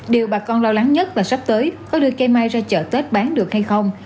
điều bà con lo lắng nhất và sắp tới có đưa cây mai ra chợ tết bán được hay không